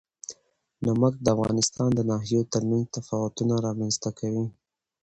نمک د افغانستان د ناحیو ترمنځ تفاوتونه رامنځ ته کوي.